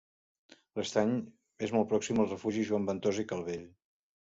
L'estany és molt pròxim al Refugi Joan Ventosa i Calvell.